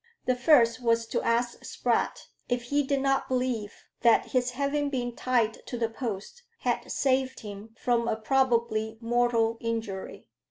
The first was to ask Spratt if he did not believe that his having been tied to the post had saved him from a probably mortal injury?